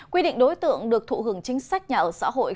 quy định đối tượng được thụ hưởng chính sách nhà ở xã hội